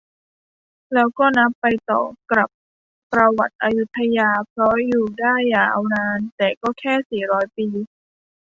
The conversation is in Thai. แล้วก็นับไปต่อกับประวัติอยุธยา เพราะอยู่ได้ยาวหน่อย แต่ก็แค่สี่ร้อยกว่าปี